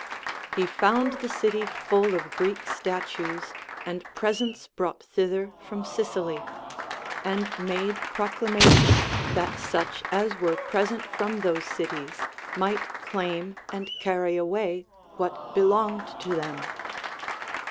He found the city full of Greek statues and presents brought thither from Sicily, and made proclamation that such as ^vere present from those cities might claim and carry away what belonged to them.